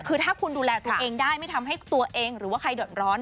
คือถ้าคุณดูแลตัวเองได้ไม่ทำให้ตัวเองหรือว่าใครเดือดร้อน